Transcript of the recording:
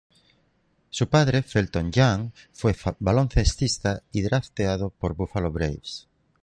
Su padre Felton Young fue baloncestista y drafteado por Buffalo Braves.